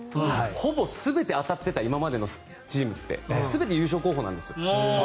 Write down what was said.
ほぼ全て当たってた今までのチームって全て優勝候補なんですよ。